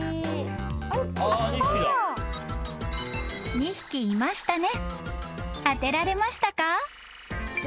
［２匹いましたね］